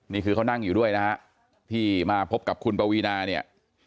นี่คือเขานั่งอยู่ด้วยนะฮะที่มาพบกับคุณปวีนาเนี่ย